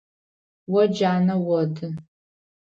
О джанэ оды.